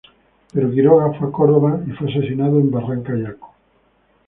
Pero Quiroga fue a Córdoba y fue asesinado en Barranca Yaco.